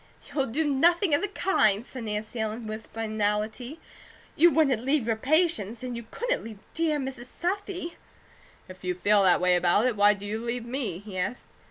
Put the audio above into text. "You'll do nothing of the kind," said Nancy Ellen, with finality. "You wouldn't leave your patients, and you couldn't leave dear Mrs. Southey." "If you feel that way about it, why do you leave me?" he asked.